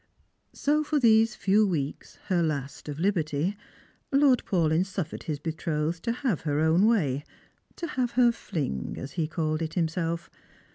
So for these few weeks, her last of liberty, Lord Paulyn Bufi"ered his betrothed to have her own way — to have her fling, as he called it himself.